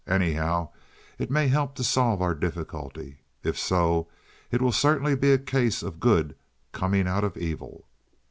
Anyhow, it may help to solve our difficulty. If so, it will certainly be a case of good coming out of evil."